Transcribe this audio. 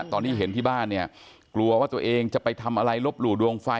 ตอนที่เห็นที่บ้านเนี่ยกลัวว่าตัวเองจะไปทำอะไรลบหลู่ดวงไฟ